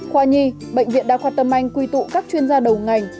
khoa nhi bệnh viện đa khoa tâm anh quy tụ các chuyên gia đầu ngành